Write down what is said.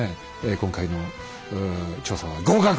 今回の調査は合格と。